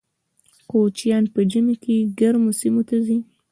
کوچیان په ژمي کې ګرمو سیمو ته ځي